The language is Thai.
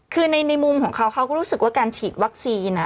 คือในมุมของเขาเขาก็รู้สึกว่าการฉีดวัคซีนนะ